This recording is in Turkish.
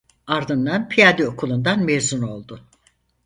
Ardından Piyade Okulundan mezun oldu.